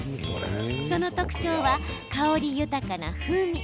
その特徴は香り豊かな風味。